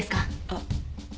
あっ